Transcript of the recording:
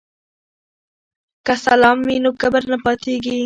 که سلام وي نو کبر نه پاتیږي.